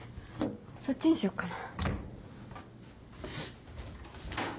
そっちにしようかな。